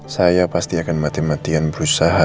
saya pasti akan mati matian berusaha